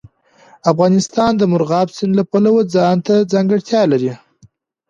افغانستان د مورغاب سیند له پلوه ځانته ځانګړتیا لري.